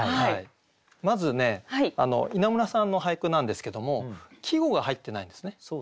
まずね稲村さんの俳句なんですけども季語が入ってないんですね。